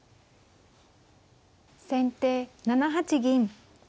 先手７八銀。